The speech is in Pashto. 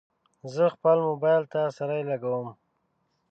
زه خپل موبایل ته سرۍ لګوم.